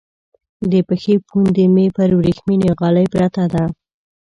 د پښې پونډۍ مو پر ورېښمینې غالی پرته ده.